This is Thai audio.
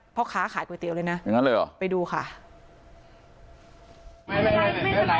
เพราะค้าขายก๋วยเตี๋ยวเลยนะไปดูค่ะอย่างนั้นเลยเหรอ